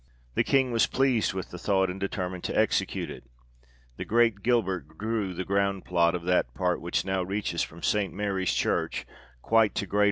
The King was pleased with the thought, and determined to execute it. The great Gilbert drew the ground plot of that part which now reaches from St. Mary's church quite to Great 1 It was founded in 1907.